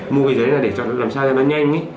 mua cái giấy là để làm sao cho nó nhanh